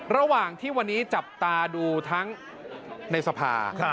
ระหว่างที่วันนี้จับตาดูทั้งในสภา